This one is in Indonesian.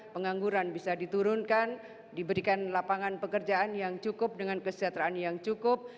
pengangguran bisa diturunkan diberikan lapangan pekerjaan yang cukup dengan kesejahteraan yang cukup